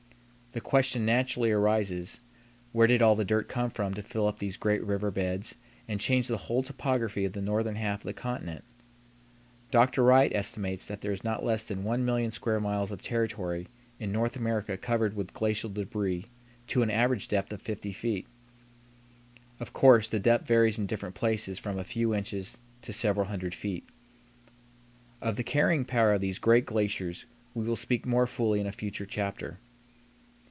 The question naturally arises, Where did all the dirt come from to fill up these great river beds and change the whole topography of the northern half of the continent? Dr. Wright estimates that there is not less than 1,000,000 square miles of territory in North America covered with glacial débris to an average depth of 50 feet. Of course, the depth varies in different places from a few inches to several hundred feet. Of the carrying power of these great glaciers we will speak more fully in a future chapter.